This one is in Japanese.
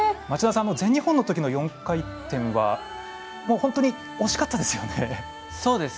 町田さんも全日本のときの４回転はもう、本当に惜しかったですよね。